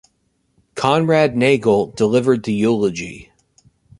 Conrad Nagel delivered the eulogy.